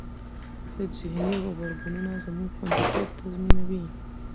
ذهني غبرګونونه زموږ خوندیتوب تضمینوي.